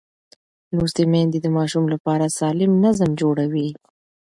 لوستې میندې د ماشوم لپاره سالم نظم جوړوي.